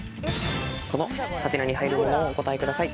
この「？」に入るものをお答えください。